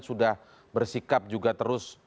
sudah bersikap juga terus